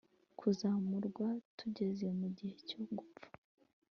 kuzamurwa tugeze mu gihe cyo gupfa